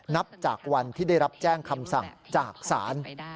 นับจากวันที่ได้รับแจ้งคำสั่งจากศาล